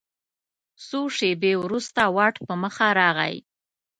څو شیبې وروسته واټ په مخه راغی.